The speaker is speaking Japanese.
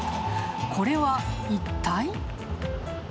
これは、一体？